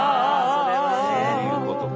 そういうことか。